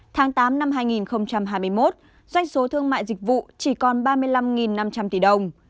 tháng tám năm hai nghìn hai mươi một doanh số thương mại dịch vụ chỉ còn ba mươi năm năm trăm linh tỷ đồng